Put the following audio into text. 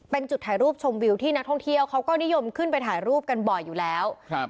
เป็นจุดถ่ายรูปชมวิวที่นักท่องเที่ยวเขาก็นิยมขึ้นไปถ่ายรูปกันบ่อยอยู่แล้วครับ